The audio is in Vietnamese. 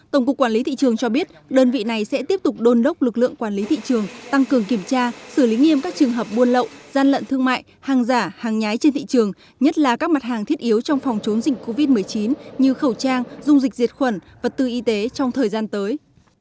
tổng cục quản lý thị trường cho biết đơn vị này sẽ tiếp tục đôn đốc lực lượng quản lý thị trường tăng cường kiểm tra xử lý nghiêm các trường hợp buôn lậu gian lận thương mại hàng giả hàng nhái trên thị trường nhất là các mặt hàng thiết yếu trong phòng chống dịch covid một mươi chín như khẩu trang dung dịch diệt khuẩn vật tư y tế trong thời gian tới